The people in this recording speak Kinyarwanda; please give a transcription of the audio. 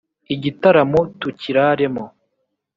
igitaramo tukiraremo